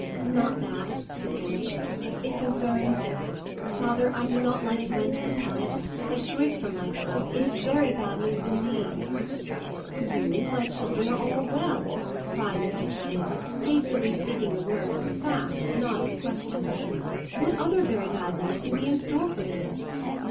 "Not that," said Hamish. "It concerns Father, I do not like to enter upon it! I shrink from my task. It is very bad news indeed." "You, my children, are all well," cried Mr. Channing, hastily speaking the words as a fact, not as a question. "What other 'very bad' news can be in store for me?"